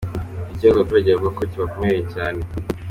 Ni ikibazo abaturage bavuga ko kibakomereye cyane.